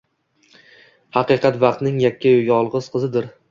Haqiqat vaqtning yakka-yu yolg’iz qizidir.